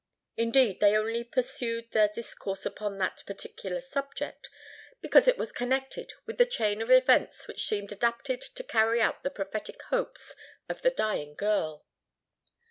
Indeed they only pursued their discourse upon that particular subject, because it was connected with the chain of events which seemed adapted to carry out the prophetic hopes of the dying girl.